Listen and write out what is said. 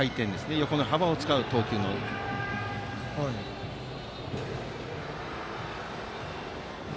横の幅を使う投球です。